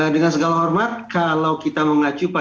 dengan segala hormat kalau kita mengacu pada